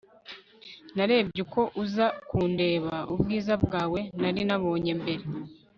narebye uko uza kundeba, ubwiza bwawe nari nabonye mbere